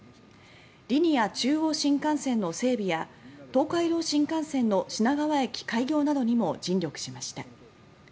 リニア中央新幹線の整備や東海道新幹線の品川駅開業などにも尽力しました。